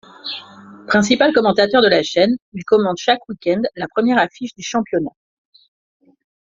Principal commentateur de la chaîne, il commente chaque week-end la première affiche du championnat.